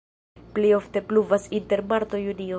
Plej ofte pluvas inter marto-junio.